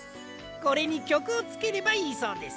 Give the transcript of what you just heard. これにきょくをつければいいそうです。